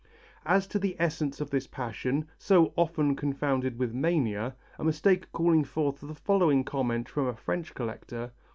As to the essence of this passion, so often confounded with mania a mistake calling forth the following comment from a French collector